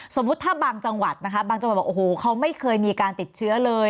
สมมุติถ้าบางจังหวัดนะคะบางจังหวัดบอกโอ้โหเขาไม่เคยมีการติดเชื้อเลย